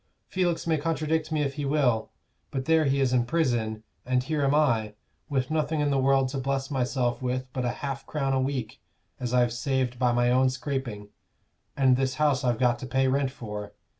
Felix may contradict me if he will; but there he is in prison, and here am I, with nothing in the world to bless myself with but half a crown a week as I've saved by my own scraping, and this house I've got to pay rent for.